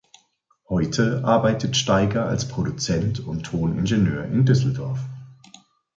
Heute arbeitet Staiger als Produzent und Toningenieur in Düsseldorf.